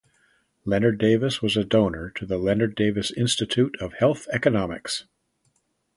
Leonard Davis was a donor to the Leonard Davis Institute of Health Economics.